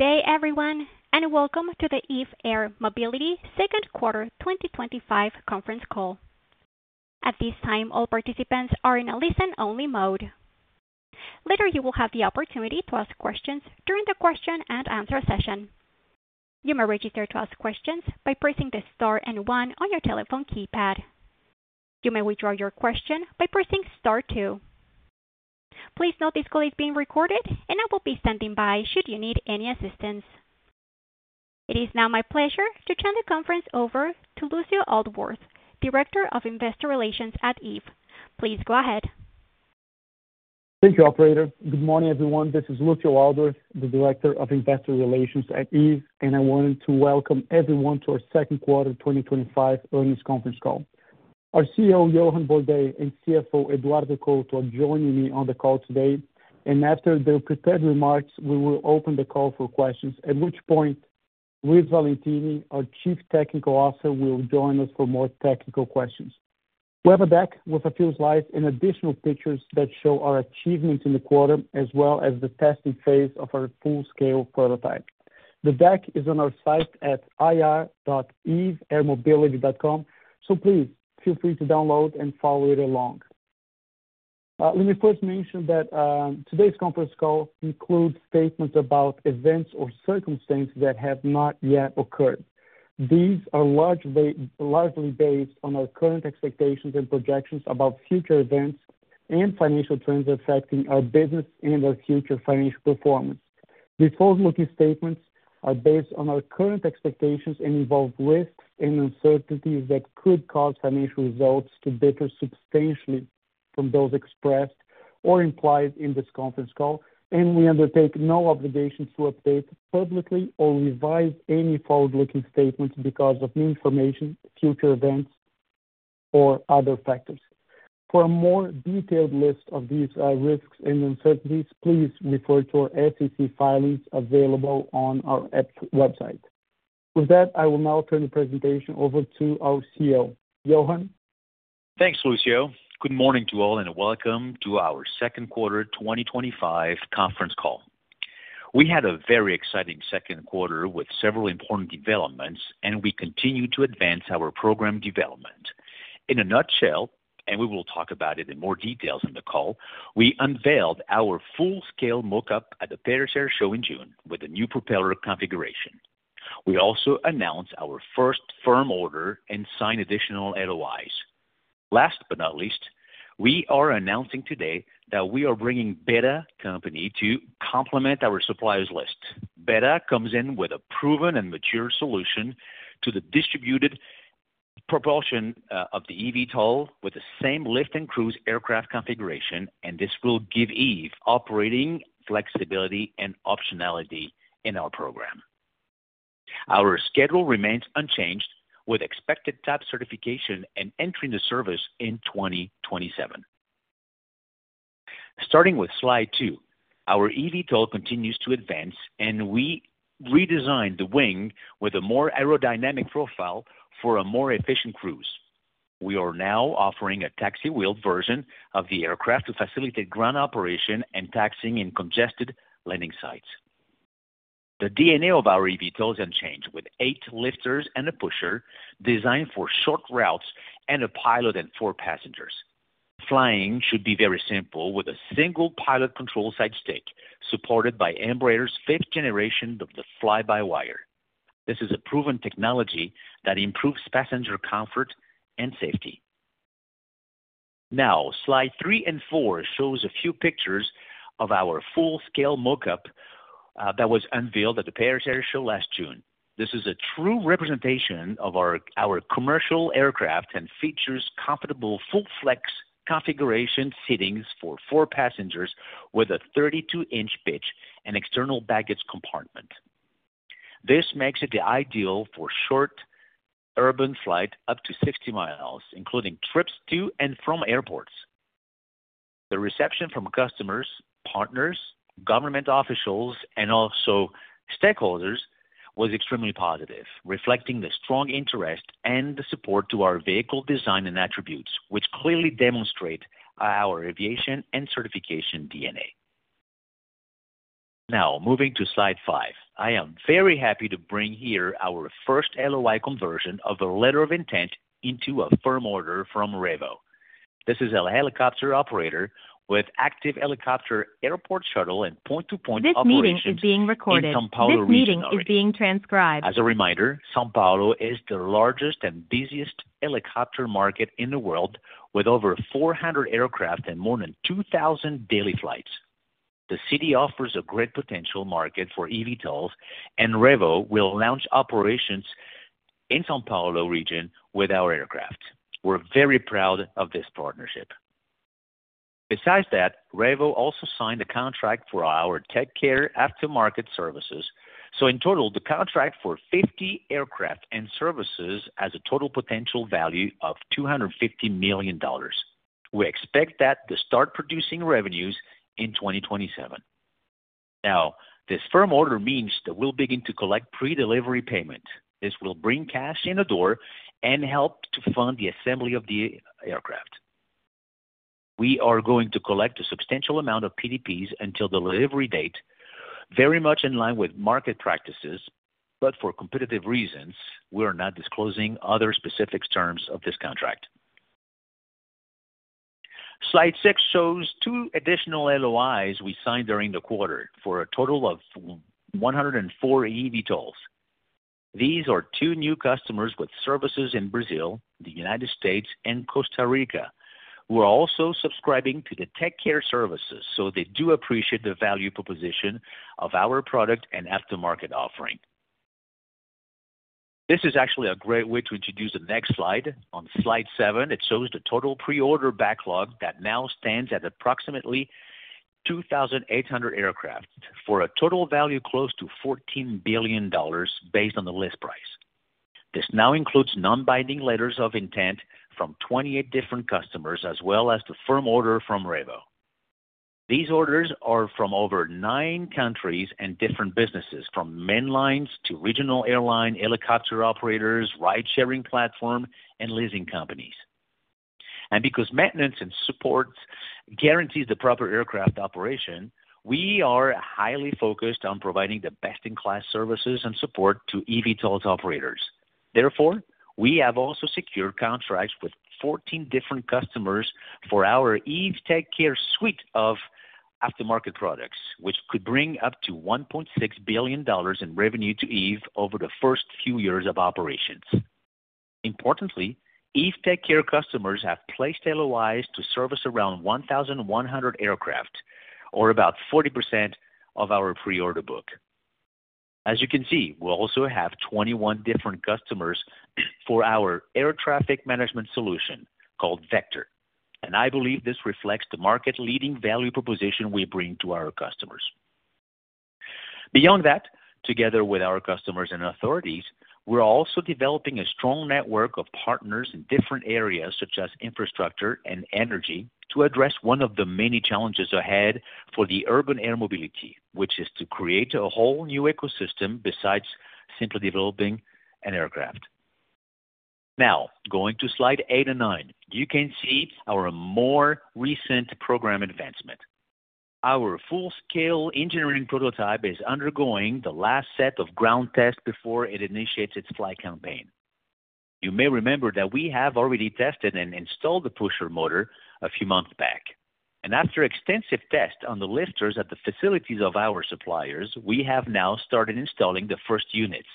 Good day, everyone, and welcome to the Eve Air Mobility Second Quarter 2025 Conference Call. At this time, all participants are in a listen-only mode. Later, you will have the opportunity to ask questions during the question and answer session. You may register to ask questions by pressing the star and one on your telephone keypad. You may withdraw your question by pressing star two. Please note this call is being recorded, and I will be standing by should you need any assistance. It is now my pleasure to turn the conference over to Lucio Aldworth, Director of Investor Relations at Eve. Please go ahead. Thank you, Operator. Good morning, everyone. This is Lucio Aldworth, the Director of Investor Relations at Eve, and I wanted to welcome everyone to our Second Quarter 2025 Earnings Conference Call. Our CEO, Johann Bordais, and CFO, Eduardo Couto, are joining me on the call today, and after their prepared remarks, we will open the call for questions, at which point Luiz Valentini, our Chief Technical Officer, will join us for more technical questions. We have a deck with a few slides and additional pictures that show our achievements in the quarter, as well as the testing phase of our full-scale prototype. The deck is on our site at ir.eveairmobility.com, so please feel free to download and follow it along. Let me first mention that today's conference call includes statements about events or circumstances that have not yet occurred. These are largely based on our current expectations and projections about future events and financial trends affecting our business and our future financial performance. These forward-looking statements are based on our current expectations and involve risks and uncertainties that could cause financial results to differ substantially from those expressed or implied in this conference call, and we undertake no obligation to update publicly or revise any forward-looking statements because of new information, future events, or other factors. For a more detailed list of these risks and uncertainties, please refer to our SEC filings available on our website. With that, I will now turn the presentation over to our CEO, Johann. Thanks, Lucio. Good morning to all, and welcome to our Second Quarter 2025 Conference Call. We had a very exciting second quarter with several important developments, and we continue to advance our program development. In a nutshell, and we will talk about it in more detail in the call, we unveiled our full-scale mockup at the Paris Air Show in June with a new propeller configuration. We also announced our first firm order and signed additional LOIs. Last but not least, we are announcing today that we are bringing Beta company to complement our suppliers' list. Beta comes in with a proven and mature solution to the distributed propulsion of the eVTOL with the same lift and cruise aircraft configuration, and this will give Eve operating flexibility and optionality in our program. Our schedule remains unchanged, with expected type certification and entry into service in 2027. Starting with slide two, our eVTOL continues to advance, and we redesigned the wing with a more aerodynamic profile for a more efficient cruise. We are now offering a taxi-wheeled version of the aircraft to facilitate ground operation and taxiing in congested landing sites. The DNA of our eVTOL is unchanged, with eight lifters and a pusher, designed for short routes and a pilot and four passengers. Flying should be very simple with a single pilot control side stick, supported by Embraer's 5th-generation of the fly-by-wire. This is a proven technology that improves passenger comfort and safety. Now, slides three and four show a few pictures of our full-scale mockup that was unveiled at the Paris Air Show last June. This is a true representation of our commercial aircraft and features comfortable full-flex configuration seating for four passengers with a 32 in pitch and external baggage compartment. This makes it ideal for short urban flights up to 60 mi, including trips to and from airports. The reception from customers, partners, government officials, and also stakeholders was extremely positive, reflecting the strong interest and the support to our vehicle design and attributes, which clearly demonstrate our aviation and certification DNA. Now, moving to slide five, I am very happy to bring here our first LOI conversion of the letter of intent into a firm order from Revo. This is a helicopter operator with active helicopter airport shuttle and point-to-point operation. This meeting is being recorded. This meeting is being transcribed. As a reminder, São Paulo is the largest and busiest helicopter market in the world, with over 400 aircraft and more than 2,000 daily flights. The city offers a great potential market for eVTOLs, and Revo will launch operations in the São Paulo region with our aircraft. We're very proud of this partnership. Besides that, Revo also signed a contract for our TechCare aftermarket services. In total, the contract for 50 aircraft and services has a total potential value of $250 million. We expect that to start producing revenues in 2027. This firm order means that we'll begin to collect pre-delivery payment. This will bring cash in the door and help to fund the assembly of the aircraft. We are going to collect a substantial amount of PDPs until the delivery date, very much in line with market practices, but for competitive reasons, we are not disclosing other specific terms of this contract. Slide six shows two additional LOIs we signed during the quarter for a total of 104 eVTOLs. These are two new customers with services in Brazil, the United States, and Costa Rica, who are also subscribing to the TechCare services, so they do appreciate the value proposition of our product and aftermarket offering. This is actually a great way to introduce the next slide. On slide seven, it shows the total pre-order backlog that now stands at approximately 2,800 aircraft for a total value close to $14 billion based on the list price. This now includes non-binding letters of intent from 28 different customers, as well as the firm order from Revo. These orders are from over nine countries and different businesses, from mainlines to regional airlines, helicopter operators, ride-sharing platforms, and leasing companies. Because maintenance and support guarantees the proper aircraft operation, we are highly focused on providing the best-in-class services and support to eVTOLs operators. Therefore, we have also secured contracts with 14 different customers for our Eve TechCare suite of aftermarket products, which could bring up to $1.6 billion in revenue to Eve over the first few years of operations. Importantly, Eve TechCare customers have placed LOIs to service around 1,100 aircraft, or about 40% of our pre-order book. As you can see, we also have 21 different customers for our air traffic management solution called Vector, and I believe this reflects the market-leading value proposition we bring to our customers. Beyond that, together with our customers and authorities, we're also developing a strong network of partners in different areas, such as infrastructure and energy, to address one of the many challenges ahead for the urban air mobility, which is to create a whole new ecosystem besides simply developing an aircraft. Now, going to slide eight and nine, you can see our more recent program advancement. Our full-scale engineering prototype is undergoing the last set of ground tests before it initiates its flight campaign. You may remember that we have already tested and installed the pusher motor a few months back, and after extensive tests on the lifters at the facilities of our suppliers, we have now started installing the first units.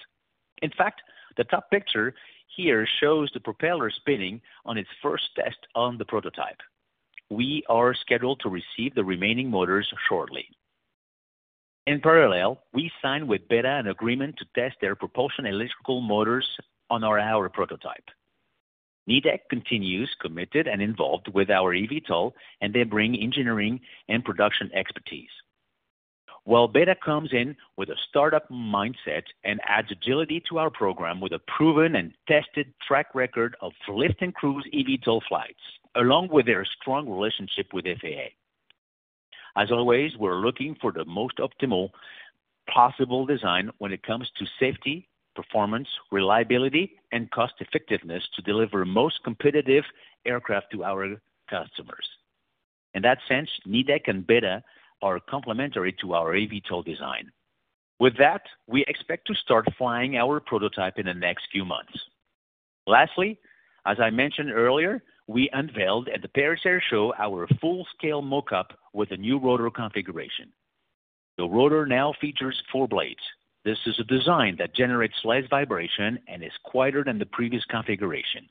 In fact, the top picture here shows the propeller spinning on its first test on the prototype. We are scheduled to receive the remaining motors shortly. In parallel, we signed with Beta an agreement to test their propulsion electrical motors on our prototype. Nidec continues committed and involved with our eVTOL, and they bring engineering and production expertise. While Beta comes in with a startup mindset and adds agility to our program with a proven and tested track record of lift and cruise eVTOL flights, along with their strong relationship with FAA. As always, we're looking for the most optimal possible design when it comes to safety, performance, reliability, and cost effectiveness to deliver the most competitive aircraft to our customers. In that sense, Nidec and Beta are complementary to our eVTOL design. With that, we expect to start flying our prototype in the next few months. Lastly, as I mentioned earlier, we unveiled at the Paris Air Show our full-scale mockup with a new rotor configuration. The rotor now features four blades. This is a design that generates less vibration and is quieter than the previous configuration.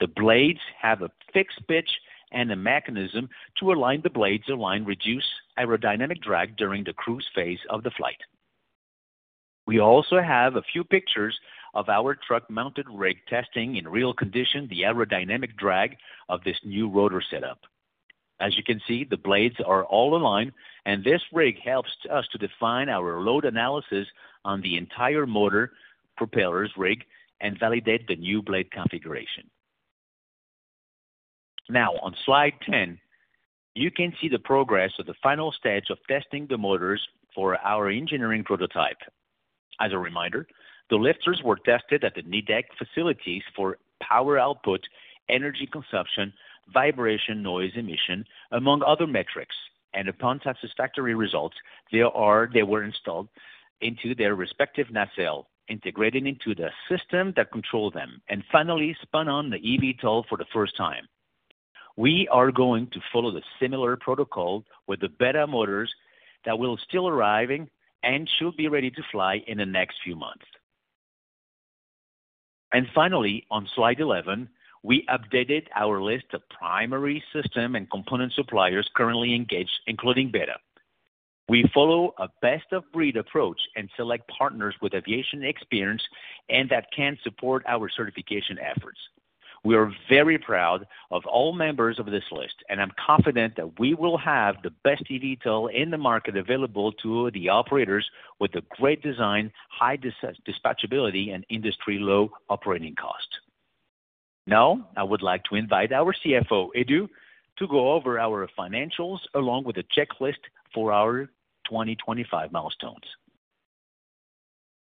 The blades have a fixed pitch and a mechanism to align the blades to reduce aerodynamic drag during the cruise phase of the flight. We also have a few pictures of our truck-mounted rig testing in real condition the aerodynamic drag of this new rotor setup. As you can see, the blades are all aligned, and this rig helps us to define our load analysis on the entire motor, propellers, rig, and validate the new blade configuration. Now, on slide ten, you can see the progress of the final stage of testing the motors for our engineering prototype. As a reminder, the lifters were tested at the Nidec facilities for power output, energy consumption, vibration, noise emission, among other metrics, and upon satisfactory results, they were installed into their respective nacelle, integrated into the system that controls them, and finally spun on the eVTOL for the first time. We are going to follow a similar protocol with the Beta motors that will still arrive and should be ready to fly in the next few months. On slide eleven, we updated our list of primary system and component suppliers currently engaged, including Beta. We follow a best-of-breed approach and select partners with aviation experience and that can support our certification efforts. We are very proud of all members of this list, and I'm confident that we will have the best eVTOL in the market available to the operators with a great design, high dispatchability, and industry-level operating cost. Now, I would like to invite our CFO, Edu, to go over our financials along with a checklist for our 2025 milestones.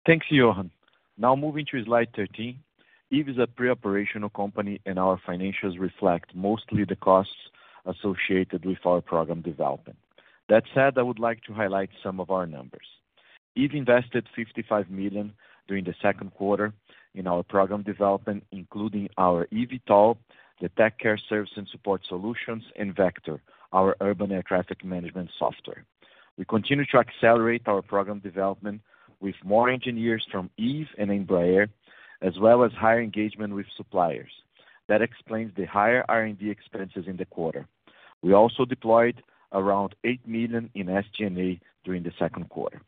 Thanks, Johann. Now moving to slide thirteen, Eve is a pre-operational company, and our financials reflect mostly the costs associated with our program development. That said, I would like to highlight some of our numbers. Eve invested $55 million during the second quarter in our program development, including our eVTOL, the TechCare service and support solutions, and Vector, our urban air traffic management software. We continue to accelerate our program development with more engineers from Eve and Embraer, as well as higher engagement with suppliers. That explains the higher R&D expenses in the quarter. We also deployed around $8 million in SG&A during the second quarter.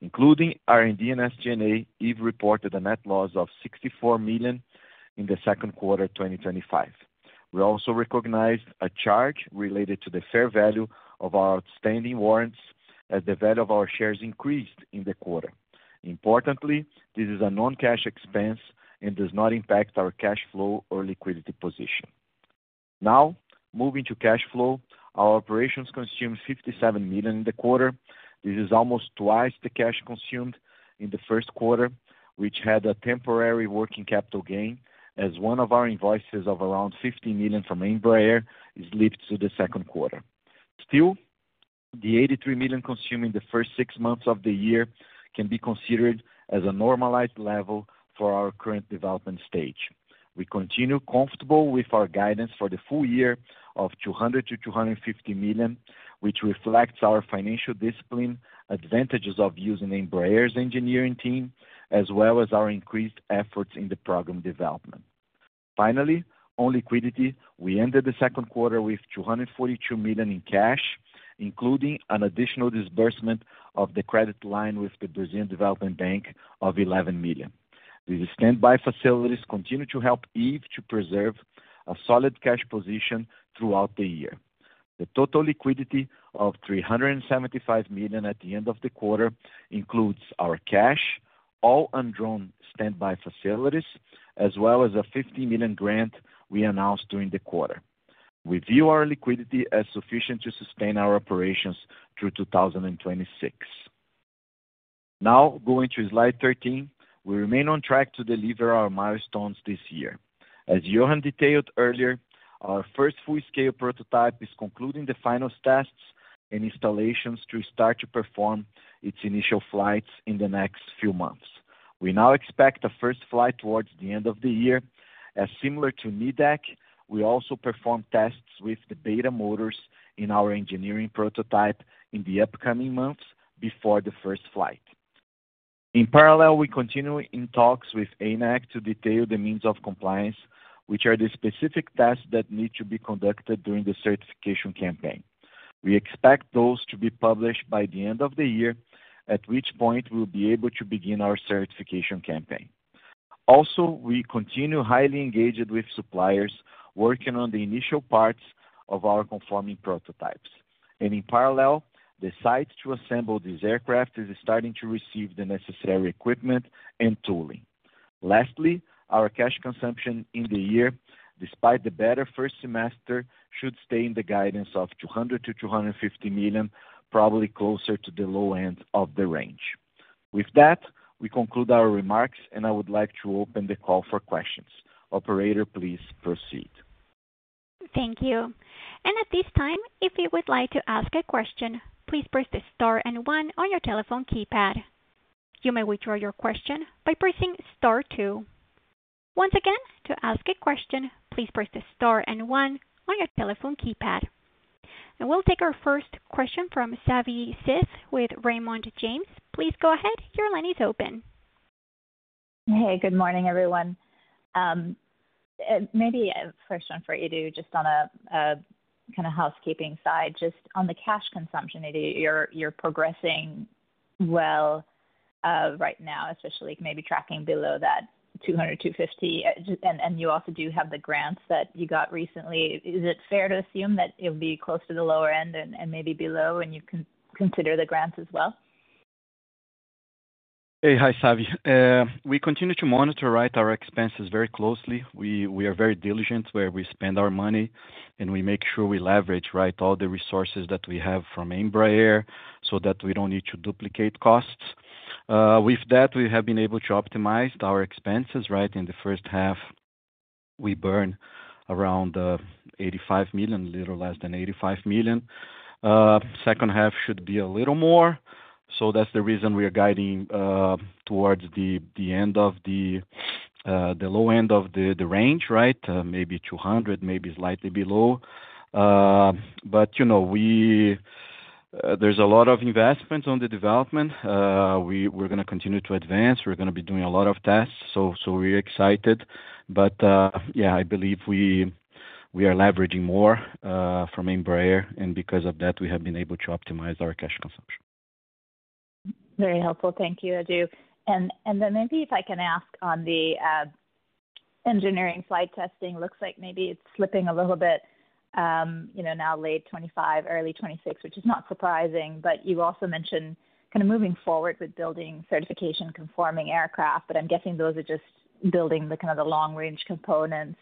Including R&D and SG&A, Eve reported a net loss of $64 million in the second quarter of 2025. We also recognized a charge related to the fair value of our outstanding warrants as the value of our shares increased in the quarter. Importantly, this is a non-cash expense and does not impact our cash flow or liquidity position. Now, moving to cash flow, our operations consumed $57 million in the quarter. This is almost twice the cash consumed in the first quarter, which had a temporary working capital gain as one of our invoices of around $15 million from Embraer is lifted to the second quarter. Still, the $83 million consumed in the first six months of the year can be considered as a normalized level for our current development stage. We continue comfortable with our guidance for the full year of $200 million-$250 million, which reflects our financial discipline advantages of using Embraer's engineering team, as well as our increased efforts in the program development. Finally, on liquidity, we ended the second quarter with $242 million in cash, including an additional disbursement of the credit line with the Brazilian Development Bank of $11 million. These standby facilities continue to help Eve to preserve a solid cash position throughout the year. The total liquidity of $375 million at the end of the quarter includes our cash, all undrawn standby facilities, as well as a $50 million grant we announced during the quarter. We view our liquidity as sufficient to sustain our operations through 2026. Now, going to slide thirteen, we remain on track to deliver our milestones this year. As Johann detailed earlier, our first full-scale prototype is concluding the final tests and installations to start to perform its initial flights in the next few months. We now expect the first flight towards the end of the year. As similar to Nidec, we also perform tests with the Beta motors in our engineering prototype in the upcoming months before the first flight. In parallel, we continue in talks with ANAC to detail the means of compliance, which are the specific tests that need to be conducted during the certification campaign. We expect those to be published by the end of the year, at which point we'll be able to begin our certification campaign. We continue highly engaged with suppliers working on the initial parts of our conforming prototypes. In parallel, the site to assemble these aircraft is starting to receive the necessary equipment and tooling. Lastly, our cash consumption in the year, despite the better first semester, should stay in the guidance of $200 million-$250 million, probably closer to the low end of the range. With that, we conclude our remarks, and I would like to open the call for questions. Operator, please proceed. Thank you. At this time, if you would like to ask a question, please press the star and one on your telephone keypad. You may withdraw your question by pressing star two. Once again, to ask a question, please press the star and one on your telephone keypad. We will take our first question from Savi Syth with Raymond James. Please go ahead. Your line is open. Hey, good morning, everyone. Maybe a first one for Edu, just on a kind of housekeeping side. Just on the cash consumption, Edu, you're progressing well right now, especially maybe tracking below that $200 million-$250 million. You also do have the grants that you got recently. Is it fair to assume that it'll be close to the lower end and maybe below, and you can consider the grants as well? Hey, hi, Savi. We continue to monitor our expenses very closely. We are very diligent where we spend our money, and we make sure we leverage all the resources that we have from Embraer so that we don't need to duplicate costs. With that, we have been able to optimize our expenses. In the first half, we burn around $85 million, a little less than $85 million. The second half should be a little more. That's the reason we are guiding towards the end of the low end of the range, maybe $200 million, maybe slightly below. You know there's a lot of investment on the development. We're going to continue to advance. We're going to be doing a lot of tests. We're excited. I believe we are leveraging more from Embraer, and because of that, we have been able to optimize our cash consumption. Very helpful. Thank you, Edu. Maybe if I can ask on the engineering flight testing, it looks like maybe it's slipping a little bit, you know, now late 2025, early 2026, which is not surprising. You also mentioned kind of moving forward with building certification-conforming aircraft, but I'm guessing those are just building the kind of the long-range components.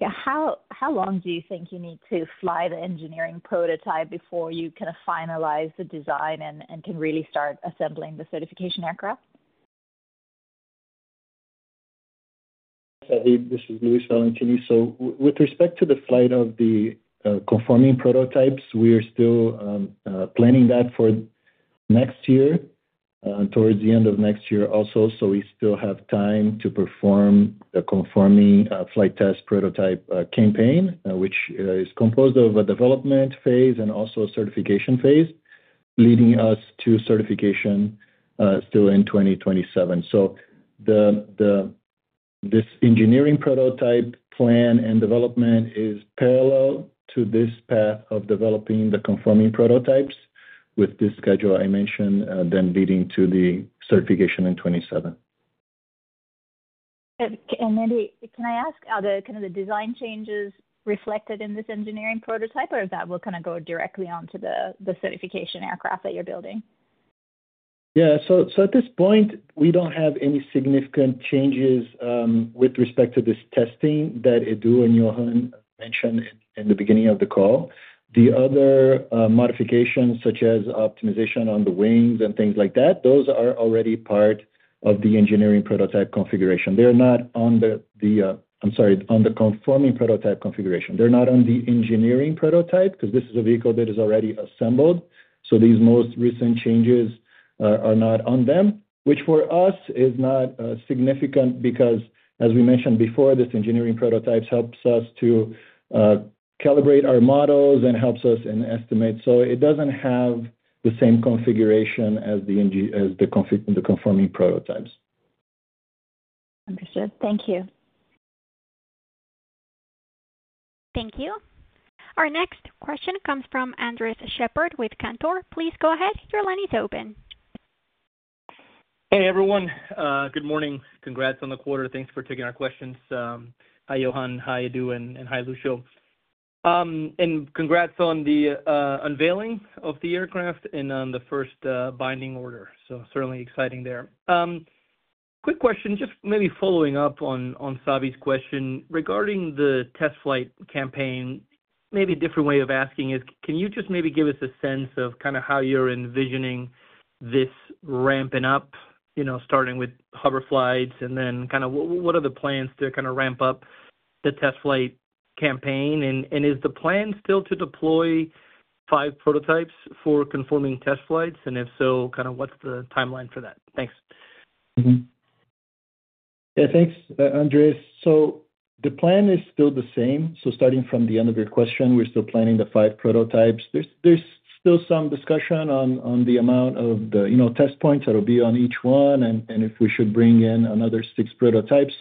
How long do you think you need to fly the engineering prototype before you kind of finalize the design and can really start assembling the certification aircraft? Savi, this is Luiz Valentini. With respect to the flight of the conforming prototypes, we are still planning that for next year, towards the end of next year also. We still have time to perform the conforming flight test prototype campaign, which is composed of a development phase and also a certification phase, leading us to certification still in 2027. This engineering prototype plan and development is parallel to this path of developing the conforming prototypes with this schedule I mentioned, leading to the certification in 2027. And, can I ask, are the kind of the design changes reflected in this engineering prototype, or is that what kind of go directly onto the certification aircraft that you're building? At this point, we don't have any significant changes with respect to this testing that Edu and Johann mentioned in the beginning of the call. The other modifications, such as optimization on the wings and things like that, are already part of the engineering prototype configuration. They're not on the, I'm sorry, on the conforming prototype configuration. They're not on the engineering prototype because this is a vehicle that is already assembled. These most recent changes are not on them, which for us is not significant because, as we mentioned before, this engineering prototype helps us to calibrate our models and helps us in estimates. It doesn't have the same configuration as the conforming prototypes. Understood. Thank you. Thank you. Our next question comes from Andres Sheppard with Cantor. Please go ahead. Your line is open. Hey, everyone. Good morning. Congrats on the quarter. Thanks for taking our questions. Hi, Johann. Hi, Edu. And hi, Lucio. Congrats on the unveiling of the aircraft and on the first binding order. Certainly exciting there. Quick question, just maybe following up on Savi's question regarding the test flight campaign. Maybe a different way of asking is, can you just maybe give us a sense of kind of how you're envisioning this ramping up, starting with hover flights and then what are the plans to ramp up the test flight campaign? Is the plan still to deploy five prototypes for conforming test flights? If so, what's the timeline for that? Thanks. Yeah, thanks, Andres. The plan is still the same. Starting from the end of your question, we're still planning the five prototypes. There's still some discussion on the amount of the, you know, test points that will be on each one and if we should bring in another six prototypes.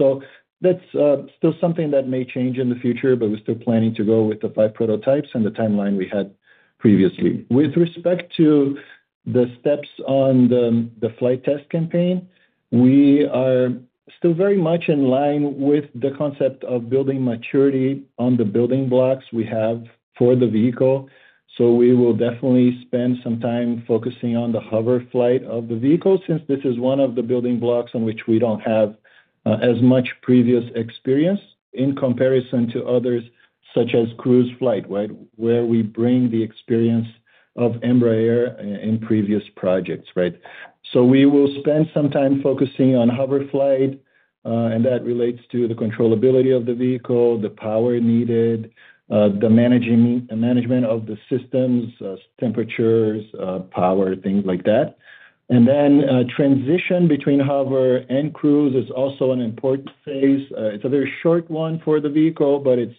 That's still something that may change in the future, but we're still planning to go with the five prototypes and the timeline we had previously. With respect to the steps on the flight test campaign, we are still very much in line with the concept of building maturity on the building blocks we have for the vehicle. We will definitely spend some time focusing on the hover flight of the vehicle since this is one of the building blocks on which we don't have as much previous experience in comparison to others, such as cruise flight, where we bring the experience of Embraer in previous projects. We will spend some time focusing on hover flight, and that relates to the controllability of the vehicle, the power needed, the management of the systems, temperatures, power, things like that. Transition between hover and cruise is also an important phase. It's a very short one for the vehicle, but it's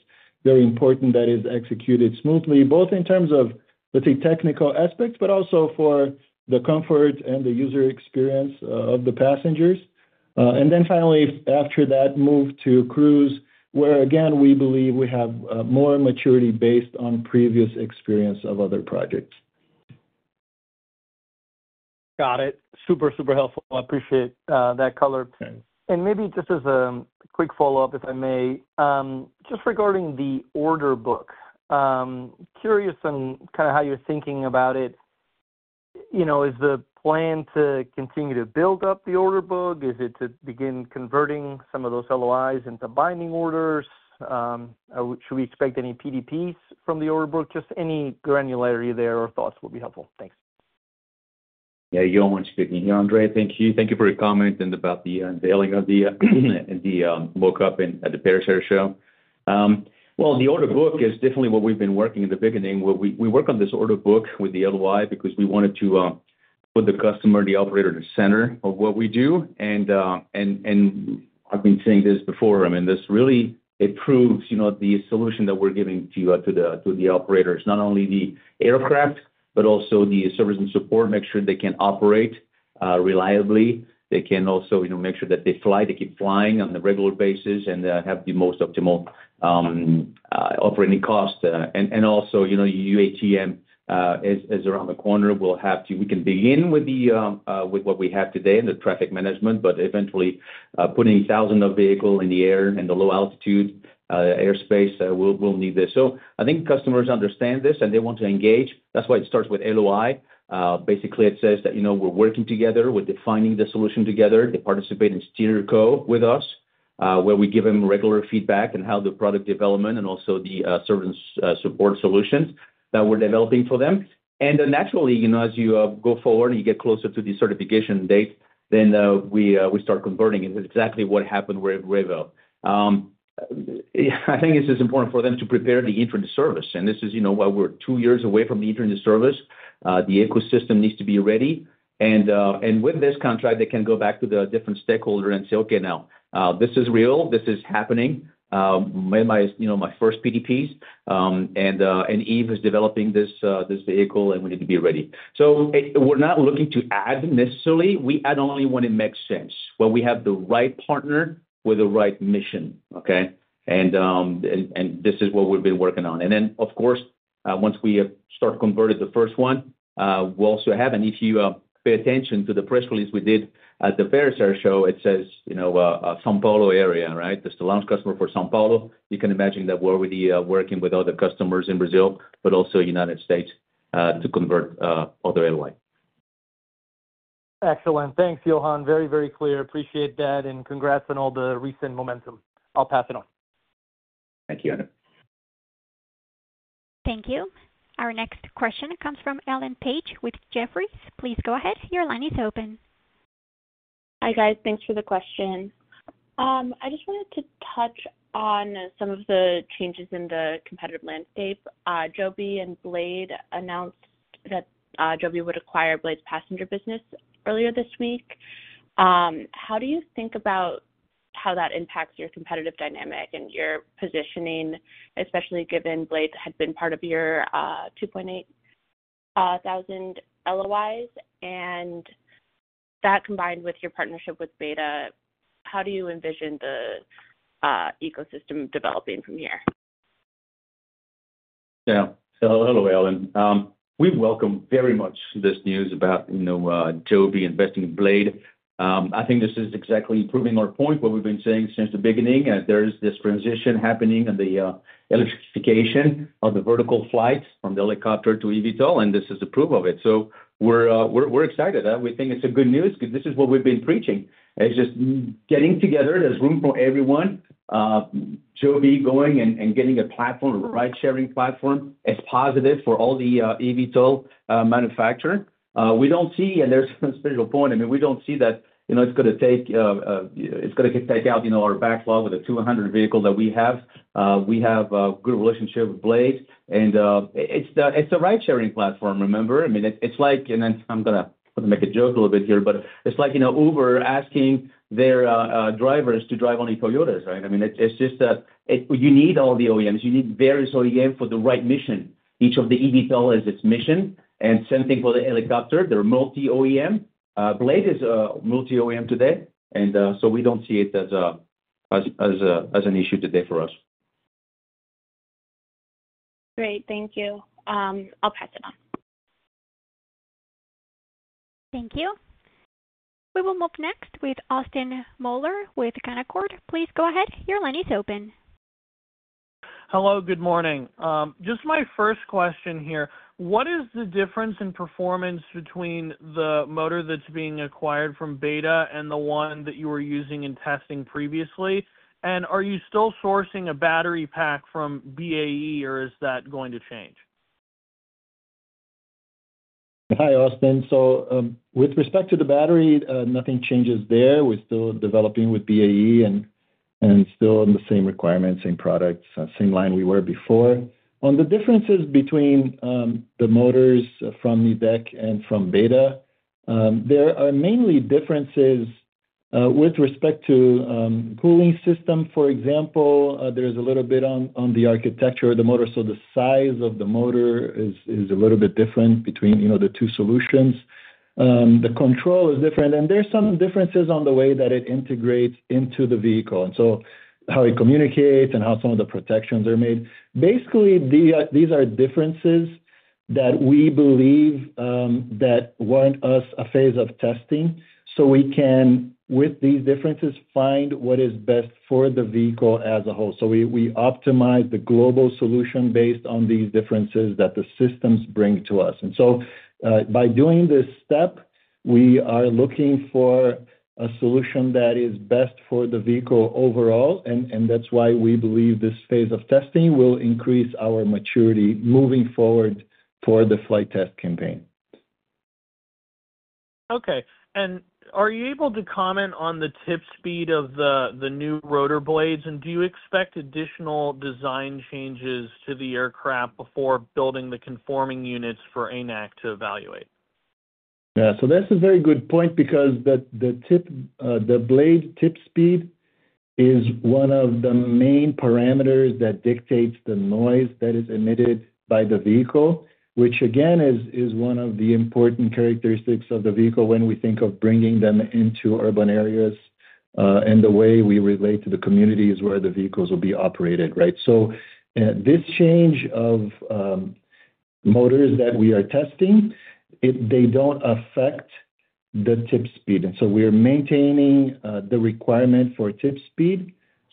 very important that it's executed smoothly, both in terms of, let's say, technical aspects, but also for the comfort and the user experience of the passengers. Finally, after that, move to cruise, where again we believe we have more maturity based on previous experience of other projects. Got it. Super, super helpful. I appreciate that color. Maybe just as a quick follow-up, if I may, just regarding the order book, curious on kind of how you're thinking about it. Is the plan to continue to build up the order book? Is it to begin converting some of those LOIs into binding orders? Should we expect any PDPs from the order book? Any granularity there or thoughts would be helpful. Thanks. Yeah, Johann's speaking, Andres. Thank you. Thank you for your comment and about the unveiling of the mockup at the Paris Air Show. The order book is definitely what we've been working in the beginning. We work on this order book with the LOI because we wanted to put the customer, the operator, at the center of what we do. I've been saying this before. This really proves the solution that we're giving to the operators, not only the aircraft, but also the service and support. Make sure they can operate reliably. They can also make sure that they fly, they keep flying on a regular basis, and have the most optimal operating cost. Also, you know, UATM is around the corner. We can begin with what we have today in the traffic management, but eventually, putting thousands of vehicles in the air and the low altitude airspace will need this. I think customers understand this and they want to engage. That's why it starts with LOI. Basically, it says that, you know, we're working together. We're defining the solution together. They participate in steering co with us, where we give them regular feedback and how the product development and also the service and support solutions that we're developing for them. Naturally, you know, as you go forward and you get closer to the certification date, then we start converting. It is exactly what happened with Revo. I think this is important for them to prepare the entry into service. This is, you know, why we're two years away from the entry into service. The ecosystem needs to be ready. With this contract, they can go back to the different stakeholders and say, "Okay, now this is real. This is happening." My, you know, my first PDPs. Eve is developing this vehicle, and we need to be ready. We're not looking to add them necessarily. We add only when it makes sense, when we have the right partner with the right mission. This is what we've been working on. Of course, once we start to convert the first one, we'll also have, and if you pay attention to the press release we did at the Paris Air Show, it says, you know, São Paulo area, right? This is the launch customer for São Paulo. You can imagine that we're already working with other customers in Brazil, but also the United States, to convert other LOI. Excellent. Thanks, Johann. Very, very clear. Appreciate that. Congrats on all the recent momentum. I'll pass it on. Thank you, Andres. Thank you. Our next question comes from Ellen Page with Jefferies. Please go ahead. Your line is open. Hi, guys. Thanks for the question. I just wanted to touch on some of the changes in the competitive landscape. Joby and Blade announced that Joby would acquire Blade's passenger business earlier this week. How do you think about how that impacts your competitive dynamic and your positioning, especially given Blade had been part of your $2.8 million LOIs? That combined with your partnership with Beta, how do you envision the ecosystem developing from here? Yeah. Hello, Ellen. We welcome very much this news about, you know, Joby investing in Blade. I think this is exactly proving our point, what we've been saying since the beginning, that there is this transition happening in the electrification of the vertical flights from the helicopter to eVTOL, and this is a proof of it. We're excited. We think it's good news because this is what we've been preaching. It's just getting together. There's room for everyone. Joby going and getting a platform, a ride-sharing platform, is positive for all the eVTOL manufacturers. We don't see, and there's a special point. I mean, we don't see that, you know, it's going to take, it's going to take out, you know, our backlog with the 200 vehicles that we have. We have a good relationship with Blade, and it's the ride-sharing platform, remember? I mean, it's like, and I'm going to make a joke a little bit here, but it's like, you know, Uber asking their drivers to drive only Toyotas, right? I mean, it's just that you need all the OEMs. You need various OEMs for the right mission. Each of the eVTOL has its mission, and same thing for the helicopter. They're multi-OEM. Blade is a multi-OEM today, and we don't see it as an issue today for us. Great. Thank you. I'll pass it on. Thank you. We will move next with Austin Moeller with Canaccord. Please go ahead. Your line is open. Hello, good morning. My first question here, what is the difference in performance between the motor that's being acquired from Beta and the one that you were using in testing previously? Are you still sourcing a battery pack from BAE, or is that going to change? Hi, Austin. With respect to the battery, nothing changes there. We're still developing with BAE and still on the same requirements, same products, same line we were before. On the differences between the motors from Nidec and from Beta, there are mainly differences with respect to the cooling system. For example, there's a little bit on the architecture of the motor. The size of the motor is a little bit different between the two solutions. The control is different, and there's some differences in the way that it integrates into the vehicle, how it communicates, and how some of the protections are made. Basically, these are differences that we believe warrant us a phase of testing so we can, with these differences, find what is best for the vehicle as a whole. We optimize the global solution based on these differences that the systems bring to us. By doing this step, we are looking for a solution that is best for the vehicle overall. That's why we believe this phase of testing will increase our maturity moving forward for the flight test campaign. Are you able to comment on the tip speed of the new rotor blades? Do you expect additional design changes to the aircraft before building the conforming units for ANAC to evaluate? Yeah, that's a very good point because the tip, the blade tip speed is one of the main parameters that dictates the noise that is emitted by the vehicle, which again is one of the important characteristics of the vehicle when we think of bringing them into urban areas. The way we relate to the community is where the vehicles will be operated, right? This change of motors that we are testing doesn't affect the tip speed. We're maintaining the requirement for tip speed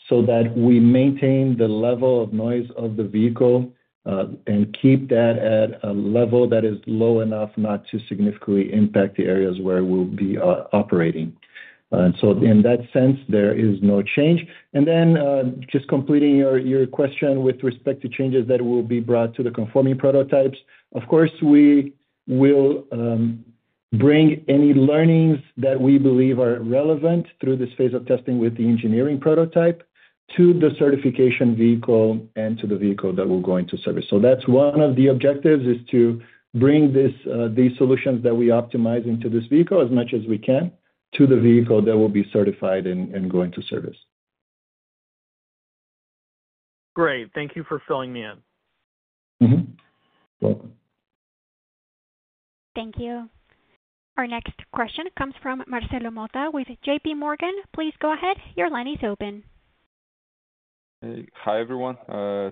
so that we maintain the level of noise of the vehicle and keep that at a level that is low enough not to significantly impact the areas where we'll be operating. In that sense, there is no change. Just completing your question with respect to changes that will be brought to the conforming prototypes, of course, we will bring any learnings that we believe are relevant through this phase of testing with the engineering prototype to the certification vehicle and to the vehicle that will go into service. One of the objectives is to bring these solutions that we optimize into this vehicle as much as we can to the vehicle that will be certified and go into service. Great, thank you for filling me in. You're welcome. Thank you. Our next question comes from Marcelo Motta with JPMorgan. Please go ahead. Your line is open. Hi, everyone.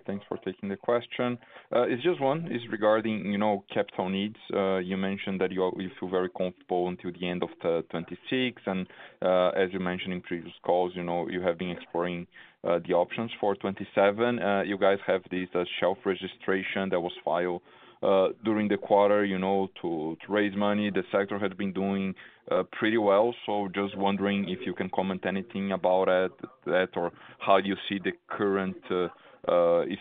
Thanks for taking the question. It's just one. It's regarding, you know, capital needs. You mentioned that you feel very comfortable until the end of 2026. As you mentioned in previous calls, you have been exploring the options for 2027. You guys have this shelf registration that was filed during the quarter to raise money. The sector had been doing pretty well. I am just wondering if you can comment anything about that or how you see the current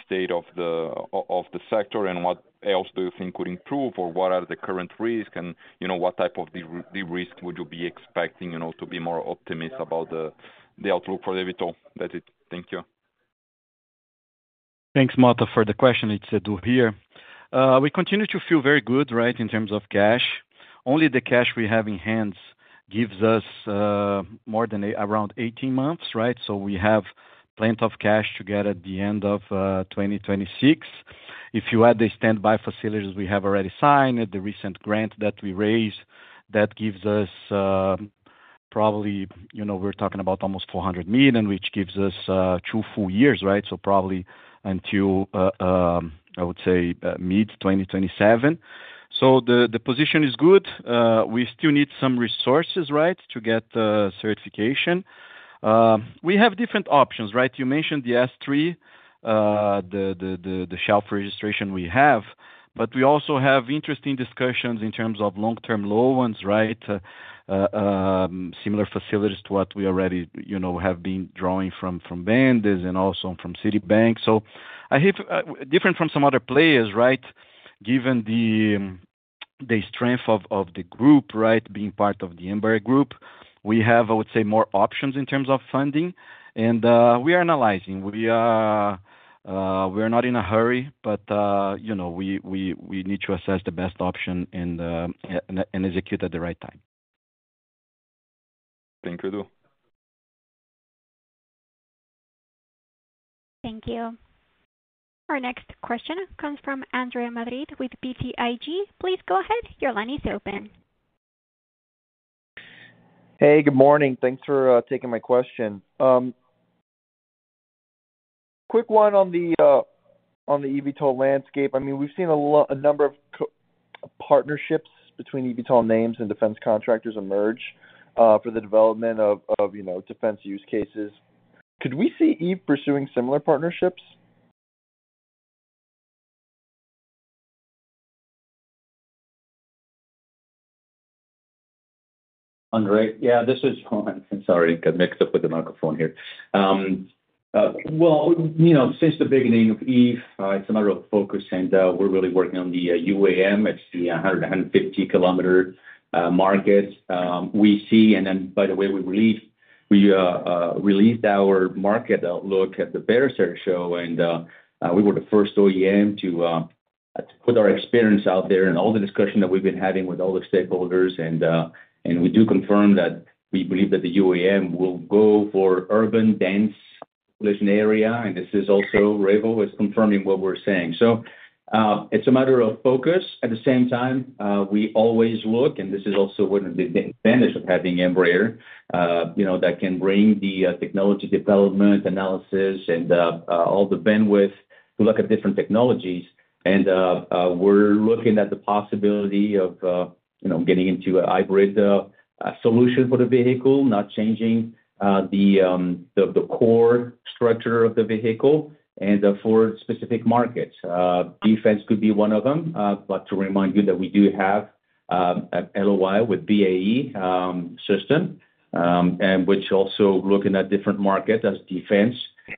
state of the sector and what else do you think could improve or what are the current risks and what type of the risks would you be expecting to be more optimistic about the outlook for the eVTOL? That's it. Thank you. Thanks, Motta, for the question. It's Edu here. We continue to feel very good, right, in terms of cash. Only the cash we have in hand gives us more than around 18 months, right? We have plenty of cash to get at the end of 2026. If you add the standby facilities we have already signed, the recent grant that we raised, that gives us probably, you know, we're talking about almost $400 million, which gives us two full years, right? Probably until, I would say, mid-2027. The position is good. We still need some resources, right, to get certification. We have different options, right? You mentioned the S-3, the shelf registration we have, but we also have interesting discussions in terms of long-term loans, right? Similar facilities to what we already, you know, have been drawing from BNDES and also from Citibank. I have, different from some other players, right, given the strength of the group, right, being part of the Embraer group, we have, I would say, more options in terms of funding. We are analyzing. We are not in a hurry, but, you know, we need to assess the best option and execute at the right time. Thank you, Edu. Thank you. Our next question comes from Andre Madrid with BTIG. Please go ahead. Your line is open. Hey, good morning. Thanks for taking my question. Quick one on the eVTOL landscape. We've seen a number of partnerships between eVTOL names and defense contractors emerge for the development of defense use cases. Could we see Eve pursuing similar partnerships? Andre, yeah, this is Johann. I'm sorry, I got mixed up with the microphone here. You know, since the beginning of Eve, it's a matter of focus, and we're really working on the UAM. It's the 100 km-150 km market we see. By the way, we released our market outlook at the Paris Air Show, and we were the first OEM to put our experience out there and all the discussion that we've been having with all the stakeholders. We do confirm that we believe that the UAM will go for urban, dense, polluted area, and this is also Revo is confirming what we're saying. It's a matter of focus. At the same time, we always look, and this is also one of the advantages of having Embraer, you know, that can bring the technology development, analysis, and all the bandwidth to look at different technologies. We're looking at the possibility of getting into a hybrid solution for the vehicle, not changing the core structure of the vehicle, and for specific markets. Defense could be one of them, but to remind you that we do have an LOI with BAE Systems, and which also looking at different markets as defense,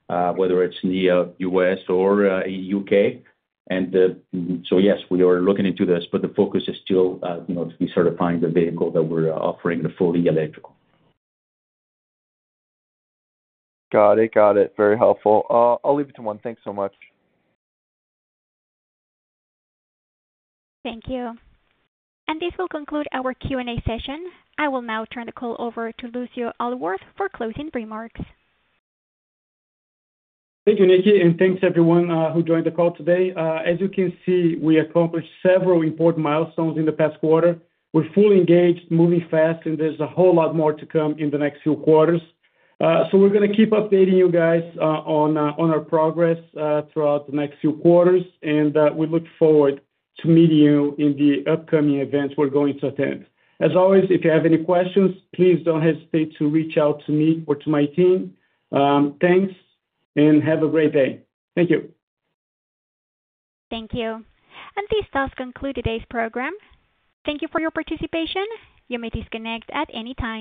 whether it's in the U.S. or in the U.K. Yes, we are looking into this, but the focus is still to be certifying the vehicle that we're offering fully electrical. Got it. Very helpful. I'll leave it to one. Thanks so much. Thank you. This will conclude our Q&A session. I will now turn the call over to Lucio Aldworth for closing remarks. Thank you, Nicky, and thanks, everyone, who joined the call today. As you can see, we accomplished several important milestones in the past quarter. We're fully engaged, moving fast, and there is a whole lot more to come in the next few quarters. We are going to keep updating you guys on our progress throughout the next few quarters, and we look forward to meeting you in the upcoming events we are going to attend. As always, if you have any questions, please don't hesitate to reach out to me or to my team. Thanks, and have a great day. Thank you. Thank you. This does conclude today's program. Thank you for your participation. You may disconnect at any time.